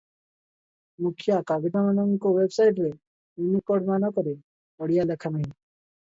ମୁଖିଆ କାଗଜମାନଙ୍କ ୱେବସାଇଟରେ ଇଉନିକୋଡ଼ ମାନକରେ ଓଡ଼ିଆ ଲେଖା ନାହିଁ ।